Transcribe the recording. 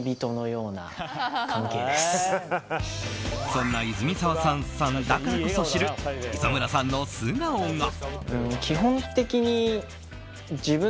そんな泉澤さんだからこそ知る磯村さんの素顔が。